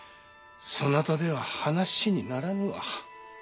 そなたでは話にならぬわ。